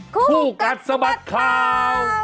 คู่กัดสะบัดข่าว